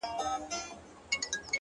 بغاوت دی سرکښي ده! زندگي د مستۍ نوم دی